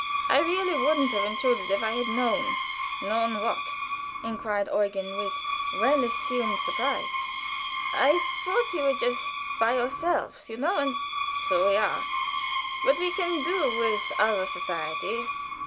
"I really wouldn't have intruded if I had known " "Known what?" inquired Eugen, with well assumed surprise. "I thought you were just by yourselves, you know, and " "So we are; but we can do with other society.